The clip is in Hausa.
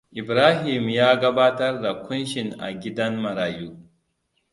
Ibrahimu ya gabatar da kunshin a gidan marayu.